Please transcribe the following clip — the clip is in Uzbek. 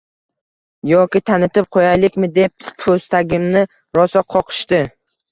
Yoki tanitib qo`yalikmi deb po`stagimni rosa qoqishdi